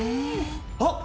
あっ！